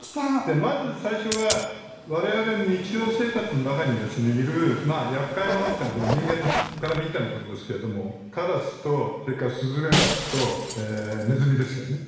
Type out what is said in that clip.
まず最初が我々の日常生活の中にいる厄介ものっていうのは人間から見てのことですけれどもカラスとそれからスズメバチとネズミですよね。